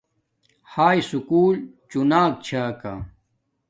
ھأگی سکُول چُو ناک چھا کا